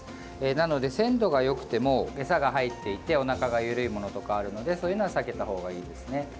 なので鮮度がよくても餌が入っていておなかが緩いものとかあるのでそういうのは避けた方がいいです。